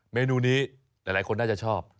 เมนูนี้หลายคนน่าจะชอบ